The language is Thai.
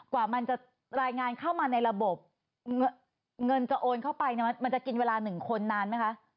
กว่ามันจะรายงานเข้ามาในระบบเงินจะโอนเข้าไปเนี่ยมันจะกินเวลา๑คนนานไหมคะ